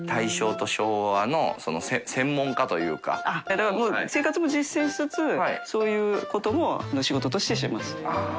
だからもう生活も実践しつつ修ΔいΔ海箸仕事としてしています。